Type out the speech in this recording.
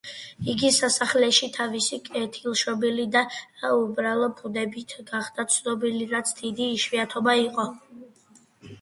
იგი სასახლეში თავისი კეთილშობილი და უბრალო ბუნებით გახდა ცნობილი, რაც დიდი იშვიათობა იყო.